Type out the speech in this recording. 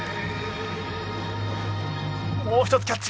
もう一つキャッチ。